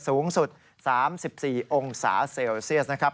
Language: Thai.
สูงสุด๓๔องศาเซลเซียสนะครับ